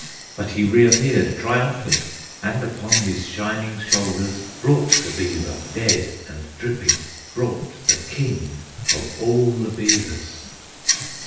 But he reappeared triumphant, And upon his shining shoulders Brought the beaver, dead and dripping, Brought the King of all the Beavers.